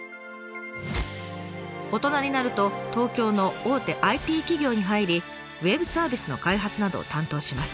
大人になると東京の大手ＩＴ企業に入りウェブサービスの開発などを担当します。